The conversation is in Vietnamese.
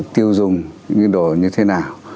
tiêu dùng những đồ như thế nào